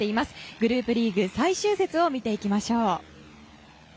グループリーグ最終節を見ていきましょう。